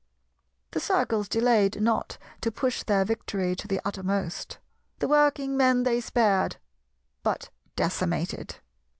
The Circles delayed not to push their victory to the uttermost. The Working Men they spared but decimated.